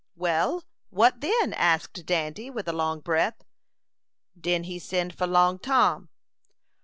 "Well, what then?" asked Dandy, with a long breath. "Den he send for Long Tom."